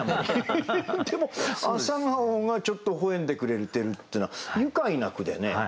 でも朝顔がちょっとほほ笑んでくれてるっていうのは愉快な句でね。